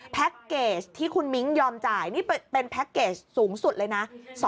เกจที่คุณมิ้งยอมจ่ายนี่เป็นแพ็คเกจสูงสุดเลยนะ